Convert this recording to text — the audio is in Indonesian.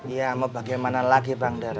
ya mau bagaimana lagi bangder